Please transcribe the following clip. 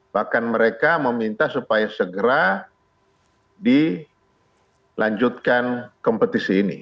bahkan mereka meminta supaya segera dilanjutkan kompetisi ini